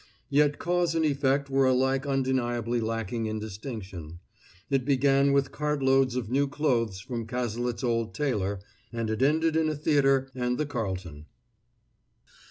Yet cause and effect were alike undeniably lacking in distinction. It began with cartloads of new clothes from Cazalet's old tailor, and it ended in a theater and the Carlton.